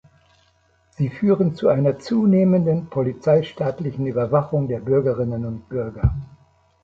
Sie führen zu einer zunehmenden polizeistaatlichen Überwachung der Bürgerinnen und Bürger.